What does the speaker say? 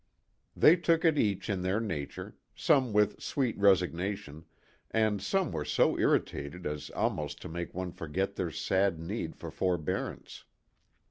They took it each after their nature ; some with sweet resignation, and some were so irritated as almost to make one forget their sad need of forbearance.